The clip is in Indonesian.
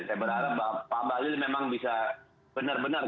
saya berharap pak bahlil memang bisa benar benar